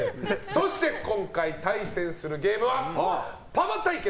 そして今回対戦するゲームはパパ対決！